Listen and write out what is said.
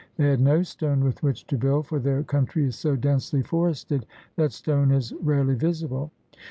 They had no stone with which to build, for their country is so densely forested that stone is rarely visible.